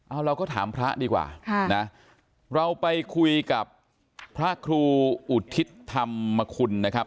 เอาเราก็ถามพระดีกว่าค่ะนะเราไปคุยกับพระครูอุทิศธรรมคุณนะครับ